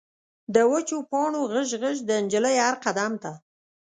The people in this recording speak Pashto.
د وچو پاڼو غژ، غژ، د نجلۍ هر قدم ته